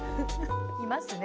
いますね。